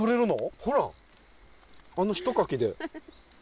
ほらあのひとかきで。